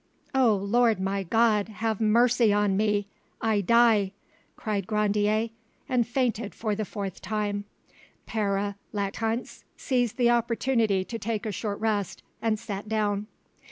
"O Lord my God, have mercy on me! I die!" cried Grandier, and fainted for the fourth time. Pere Lactance seized the opportunity to take a short rest, and sat down.